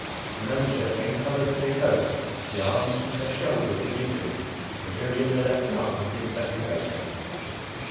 The "manager" then covered with a coat, the arms and left shoulder of the medium including the left arm of the investigator.